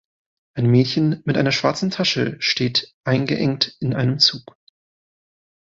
Ein Mädchen mit einer schwarzen Tasche steht eingeengt in einem Zug.